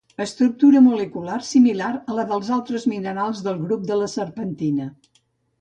Estructura molecular similar a la dels altres minerals del grup de la serpentina.